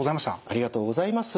ありがとうございます。